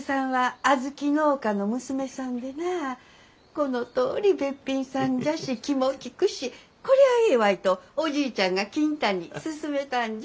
このとおりべっぴんさんじゃし気も利くしこりゃあええわいとおじいちゃんが金太に勧めたんじゃ。